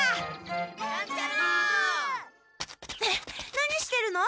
何してるの？